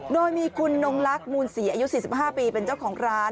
โดยมีคุณนงลักษมูลศรีอายุ๔๕ปีเป็นเจ้าของร้าน